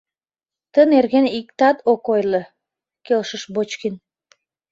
Ты нерген иктат ок ойло, - келшыш Бочкин.